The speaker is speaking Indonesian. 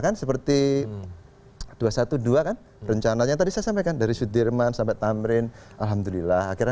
kan seperti dua ratus dua belas kan rencananya tadi saya sampaikan dari sudirman sampai tamrin alhamdulillah akhirnya